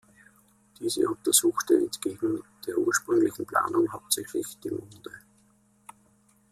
Diese untersuchte entgegen der ursprünglichen Planung hauptsächlich die Monde.